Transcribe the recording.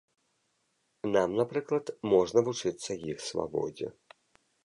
Нам, напрыклад, можна вучыцца іх свабодзе.